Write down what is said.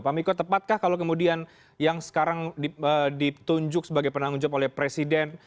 pak miko tepatkah kalau kemudian yang sekarang ditunjuk sebagai penanggung jawab oleh presiden